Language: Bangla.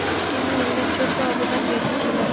তিনি উল্লেখযোগ্য অবদান রেখেছিলেন।